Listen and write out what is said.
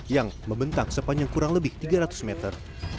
yang membentang sepanjang kurang lebih tiga ratus meter